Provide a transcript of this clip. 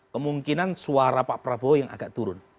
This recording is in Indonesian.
kemungkinan suara pak prabowo yang agak turun